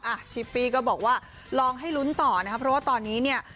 ชิปปี้ก็บอกว่าลองให้ลุ้นต่อนะครับเพราะว่าตอนนี้เนี่ย